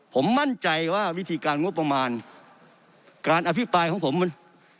ผมมั่นใจว่าวิธีการงบประมาณการอภิปรายของผมมัน